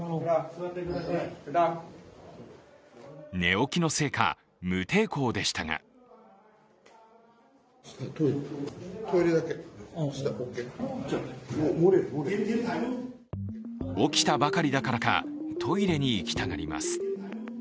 寝起きのせいか無抵抗でしたが起きたばかりだからか、トイレに行きたがります。